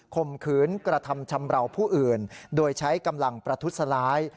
ข่มขืนกระทำชำราวผู้อื่นโดยใช้กำลังประทุษร้าย